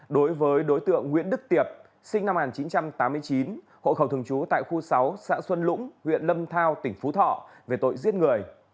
đối với đối tượng nguyễn đức tiệp sinh năm một nghìn chín trăm tám mươi chín hộ khẩu thường trú tại khu sáu xã xuân lũng huyện lâm thao tỉnh phú thọ về tội giết người